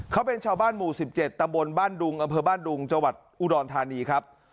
เขาเป็นชาวบ้านหมู่๑๗ตำบลบ้านดุงอำเภอบ้านดุงจังหวัดอุดรธานีครับ